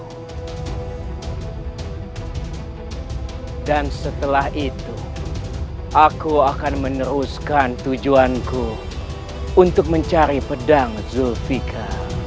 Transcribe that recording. hai dan setelah itu aku akan meneruskan tujuanku untuk mencari pedang zulfika